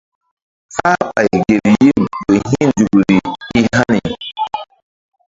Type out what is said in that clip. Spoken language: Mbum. Fáhɓay gel yim ƴo hi̧ nzukri i hani.